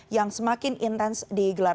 yang semakin intens digelar